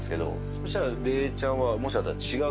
そしたら「べーちゃんは」。